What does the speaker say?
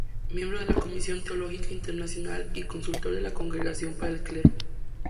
Miembro de la Comisión Teológica internacional y consultor de la Congregación para el Clero.